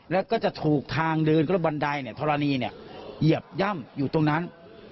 แล้วก็จะถูกทางเดินก็บันไดธรณีเหยียบย่ำอยู่ตรงนั้น